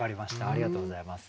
ありがとうございます。